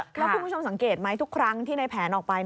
แล้วคุณผู้ชมสังเกตไหมทุกครั้งที่ในแผนออกไป